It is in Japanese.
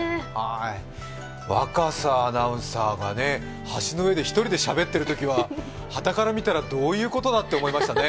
若狭アナウンサーが、橋の上で一人でしゃべってるときははたから見たらどういうことかと思いましたよね。